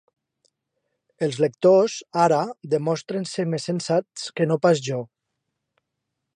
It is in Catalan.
Els lectors, ara, demostren ser més sensats que no pas jo.